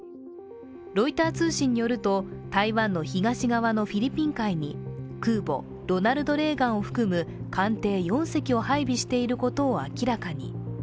ロイター通信によると台湾の東側のフィリピン海に空母「ロナルド・レーガン」を含む艦艇４隻を配備していることを明らかに。